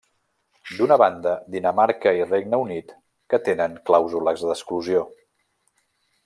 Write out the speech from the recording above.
D'una banda, Dinamarca i Regne Unit, que tenen clàusules d'exclusió.